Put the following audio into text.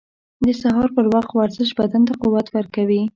• د سهار پر وخت ورزش بدن ته قوت ورکوي.